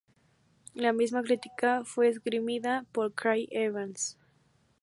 La misma crítica fue esgrimida por Craig Evans.